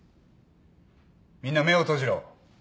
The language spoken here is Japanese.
みんな目を閉じろ。